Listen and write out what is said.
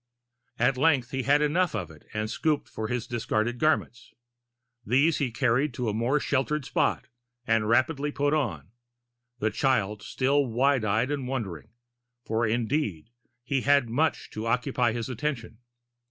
At length he had enough of it and stooped for his discarded garments. These he carried to a more sheltered spot and rapidly put on, the child still wide eyed and wondering, for indeed he had much to occupy his attention.